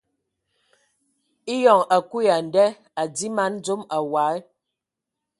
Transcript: Eyɔŋ a kui ya a nda a dii man dzom awɔi.